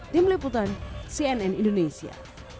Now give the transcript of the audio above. tim liputan cnn indonesia